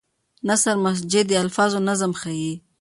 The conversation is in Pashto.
نثر مسجع د الفاظو نظم ښيي.